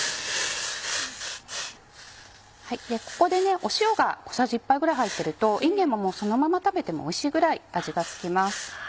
ここで塩が小さじ１杯ぐらい入ってるといんげんもそのまま食べてもおいしいぐらい味が付きます。